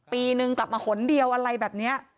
ปีนึงกลับมาหนเดียวอะไรแบบนี้